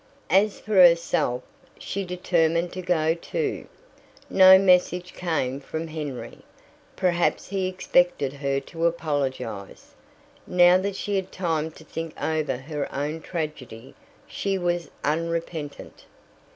As for herself, she determined to go too. No message came from Henry; perhaps he expected her to apologize. Now that she had time to think over her own tragedy, she was unrepentant.